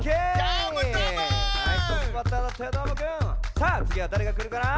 さあつぎはだれがくるかな？